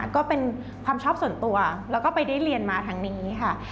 ก็เป็นความชอบส่วนตัวแล้วก็ไปได้เรียนมาทางนี้ค่ะ